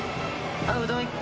うどん１杯？